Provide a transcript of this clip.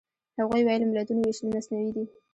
هغوی ویل ملتونو وېشل مصنوعي دي.